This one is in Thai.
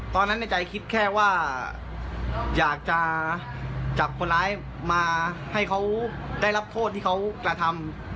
ในใจคิดแค่ว่าอยากจะจับคนร้ายมาให้เขาได้รับโทษที่เขากระทำ